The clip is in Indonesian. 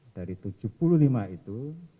dari tujuh puluh lima itu